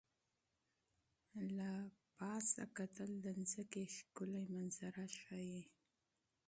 له فضا کتل د ځمکې ښکلي منظره ښيي.